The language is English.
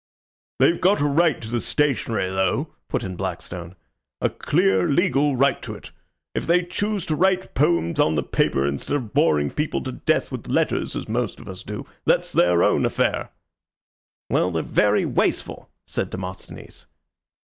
"They've got a right to the stationery, though," put in Blackstone. "A clear legal right to it. If they choose to write poems on the paper instead of boring people to death with letters, as most of us do, that's their own affair." "Well, they're very wasteful," said Demosthenes.